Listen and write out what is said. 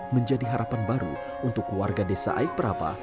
menjadi harapan baru untuk warga desa aik perapa